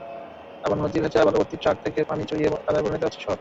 আবার নদীর ভেজা বালুভর্তি ট্রাক থেকে পানি চুইয়েও কাদায় পরিণত হচ্ছে সড়ক।